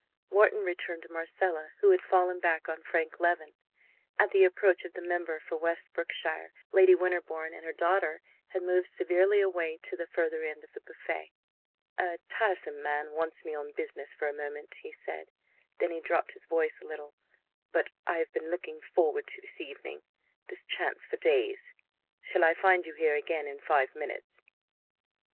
Wharton returned to Marcella, who had fallen back on Frank Leven. At the approach of the member for West Brookshire, Lady Winterbourne and her daughter had moved severely away to the further end of the buffet. "A tiresome man wants me on business for a moment," he said; then he dropped his voice a little; "but I have been looking forward to this evening, this chance, for days shall I find you here again in five minutes?"